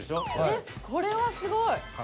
えっこれはすごい。